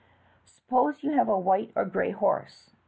"Suppose you have a white or gray horse.